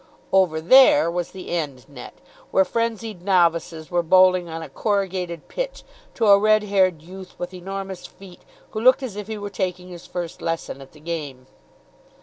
"Over there" was the end net, where frenzied novices were bowling on a corrugated pitch to a red haired youth with enormous feet, who looked as if he were taking his first lesson at the game.